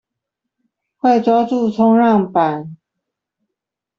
快抓住衝浪板